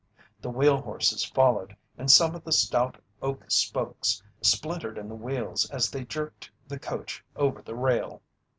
The wheel horses followed, and some of the stout oak spokes splintered in the wheels as they jerked the coach over the rail.